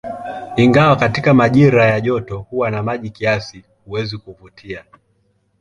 Ingawa katika majira ya joto huwa na maji kiasi, huweza kuvutia.